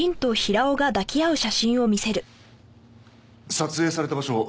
撮影された場所